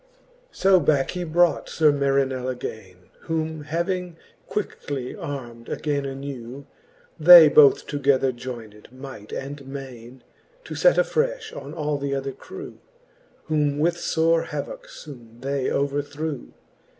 So backe he brought Sir Marinell againe ; Whom having quickly arm'd againe anew, They both together joyned might and maine, To fet afrefh on all the other crew, Whom with fore havocke {bone they overthrew.